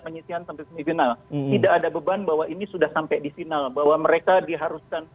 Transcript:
penyisian sampai semifinal tidak ada beban bahwa ini sudah sampai di final bahwa mereka diharuskan